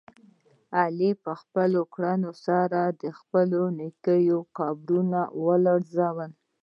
علي په خپلو کړنو سره د خپلو نیکونو قبرونه ولړزول.